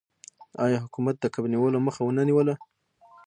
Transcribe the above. آیا حکومت د کب نیولو مخه ونه نیوله؟